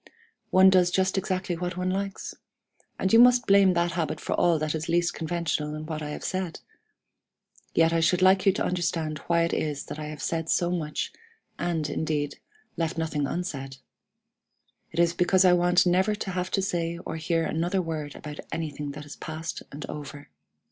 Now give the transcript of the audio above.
One does just exactly what one likes and you must blame that habit for all that is least conventional in what I have said. Yet I should like you to understand why it is that I have said so much, and, indeed, left nothing unsaid. It is because I want never to have to say or hear another word about anything that is past and over.